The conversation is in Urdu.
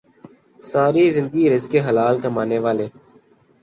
ساری زندگی رزق حلال کمانے والے